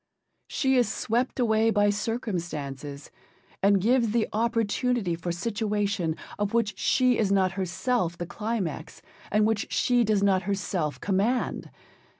She is swept away by circumstances, and gives the opportunity for situation, of which she is not herself the climax, and which she does not herself command.